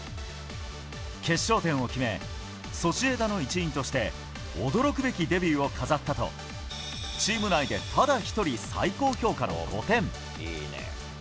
決勝点を決め、ソシエダの一員として驚くべきデビューを飾ったと、チーム内でただ一人、最高評価の５点。